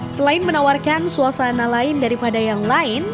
selain menawarkan suasana lain daripada yang lain